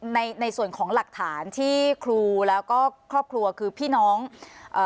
ในส่วนของหลักฐานที่ครูแล้วก็ครอบครัวคือพี่น้องเอ่อ